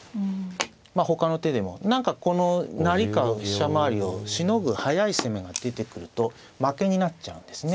まあほかの手でも何かこの成りか飛車回りをしのぐ速い攻めが出てくると負けになっちゃうんですね。